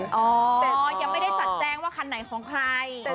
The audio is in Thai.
แต่ยังไม่ได้จัดแจ้งว่าคันไหนของใคร